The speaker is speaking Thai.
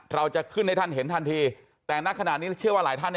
เราจะขึ้นให้ท่านเห็นทันทีแต่ณขณะนี้เชื่อว่าหลายท่าน